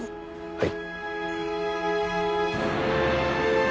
はい。